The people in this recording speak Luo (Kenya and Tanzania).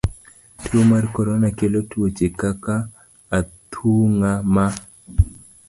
Tuo mar korona kelo tuoche kaka athung'a ma